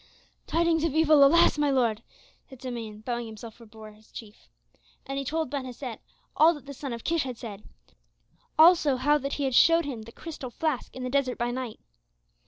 "Tidings of evil, alas, my lord," said Simeon, bowing himself before his chief. And he told Ben Hesed all that the son of Kish had said; also how that he had showed him the crystal flask in the desert by night.